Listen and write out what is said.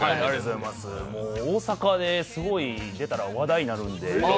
大阪ですごい出たら話題になるんで。